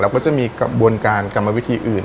ก็จะมีกระบวนการกรรมวิธีอื่น